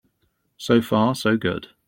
So far so good.